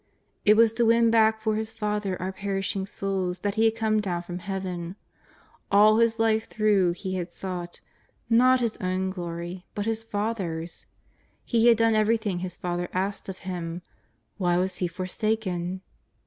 It was to win back for His Father our perishing souls that He had come down from Heaven; all His life through He had sought, not His own glory but his Father's; He had done everything His Father asked of Him — why was He forsaken?